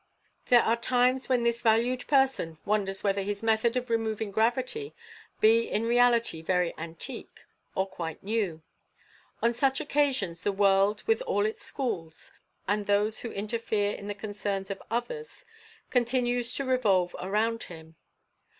"There are times when this valued person wonders whether his method of removing gravity be in reality very antique or quite new. On such occasions the world, with all its schools, and those who interfere in the concerns of others, continues to revolve around him.